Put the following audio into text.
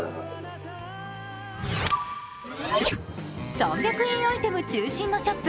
３００円アイテム中心のショップ